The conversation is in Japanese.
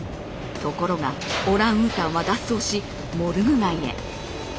ところがオランウータンは脱走しモルグ街へ。